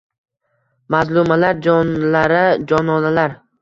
Mazlumalar, jonlara jononalar